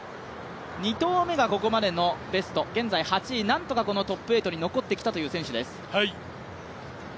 ２投目がここまでのベスト、現在８位なんとかこのトップ８に残ってきたという選手です。